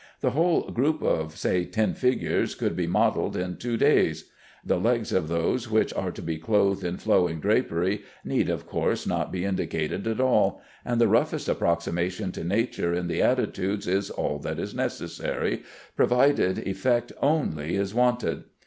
The whole group of say ten figures could be modelled in two days. The legs of those which are to be clothed in flowing drapery need, of course, not be indicated at all, and the roughest approximation to nature in the attitudes is all that is necessary, provided effect only is wanted.